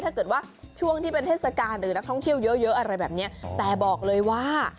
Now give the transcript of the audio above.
ถ้าเกิดว่าช่วงที่เป็นเทศกาลหรือนักท่องเที่ยวเยอะเยอะอะไรแบบนี้แต่บอกเลยว่า